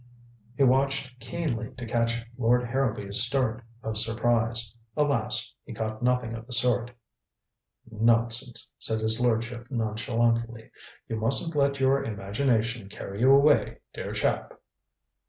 He watched keenly to catch Lord Harrowby's start of surprise. Alas, he caught nothing of the sort. "Nonsense," said his lordship nonchalantly. "You mustn't let your imagination carry you away, dear chap."